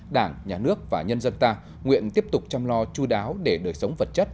đảng nhà nước và nhân dân ta nguyện tiếp tục chăm lo chú đáo để đời sống vật chất